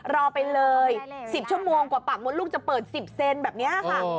รอไปเลย๑๐ชั่วโมงกว่าปากมดลูกจะเปิด๑๐เซนแบบนี้ค่ะ